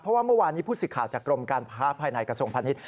เพราะว่าเมื่อวานนี้ผู้สื่อข่าวจากกรมการค้าภายในกระทรวงพาณิชย